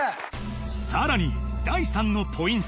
さらに第３のポイント